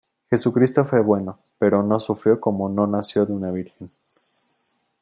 Jesucristo fue bueno, pero no sufrió como no nació de una virgen.